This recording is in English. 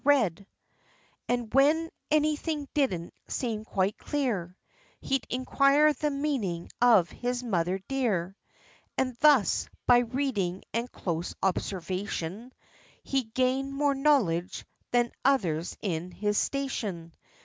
% 34 THE LIFE AND ADVENTURES And when any thing didn't seem quite clear, He'd inquire the meaning of his mother dear ; And thus, by reading and close observation, He gained more knowledge than others in his station.